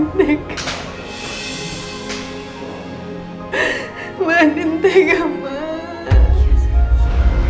mama ngerti sekali gimana perasaan kamu